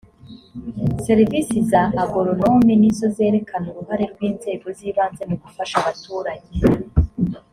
serivisi za agoronome nizo zerekana uruhare rw’ inzego z’ ibanze mu gufasha abaturage